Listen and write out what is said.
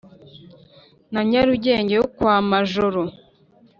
na nyarugenge yo kwa majoro